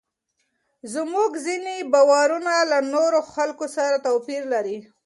زموږ ځینې باورونه له نورو خلکو سره توپیر لري.